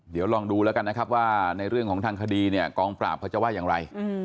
เดี๋ยวลองดูแล้วกันนะครับว่าในเรื่องของทางคดีเนี่ยกองปราบเขาจะว่าอย่างไร